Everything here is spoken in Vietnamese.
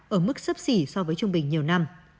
ở mức sấp xỉ so với trung bình nhiều năm